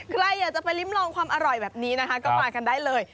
ใครอาจจะไปลิ้มลองความอร่อยแบบนี้ก็ควารกันได้เลย